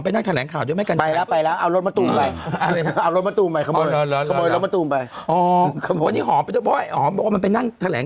ไปล๋อรถมันตัวไปอะไรนะเราขอมากร้ายหมดต้มไปอ๋อคุณบ่อยอมมันไปนั่งแผน